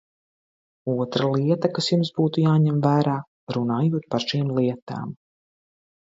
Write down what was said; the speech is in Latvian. Otra lieta, kas jums būtu jāņem vērā, runājot par šīm lietām.